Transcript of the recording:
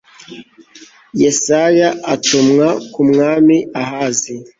Yesaya atumwa ku mwami Ahazi